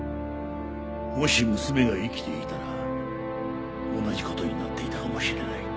もし娘が生きていたら同じ事になっていたかもしれない。